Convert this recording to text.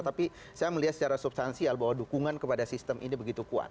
tapi saya melihat secara substansial bahwa dukungan kepada sistem ini begitu kuat